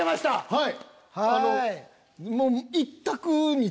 はい。